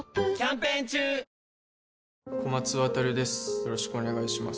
よろしくお願いします